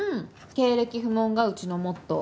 経歴不問がうちのモットー。